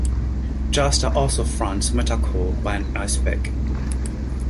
Jasta also fronts metalcore band Icepick.